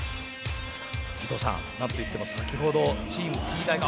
伊藤さん何といっても先ほどチームＴ大が。